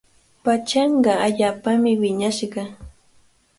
Pachanqa allaapami wiñashqa.